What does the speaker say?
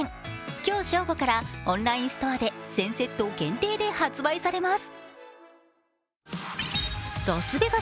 今日正午からオンラインストアで１０００セット限定で発売されます。